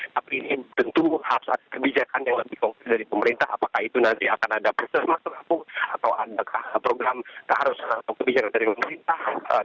tapi ini tentu hapsat kebijakan yang lebih dari pemerintah apakah itu nanti akan ada persesmasan atau program keharusan atau kebijakan dari pemerintah